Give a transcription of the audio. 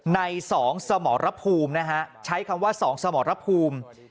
ใน๒สมรภูมินะฮะใช้คำว่า๒สมรภูมิ